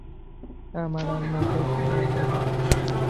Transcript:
আমার আর মোটেও সময় নেই বাবা।